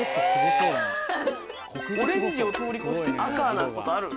オレンジを通り越して赤なことある？